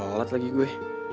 telat lagi gue